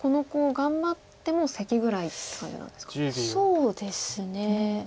そうですね。